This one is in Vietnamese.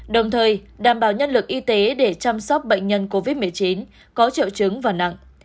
đồng thời đảm bảo nhân lực y tế để chăm sóc bệnh nhân covid một mươi chín có triệu chứng và nặng